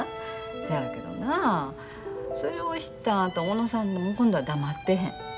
そやけどなあそれを知った小野さんが今度は黙ってへん。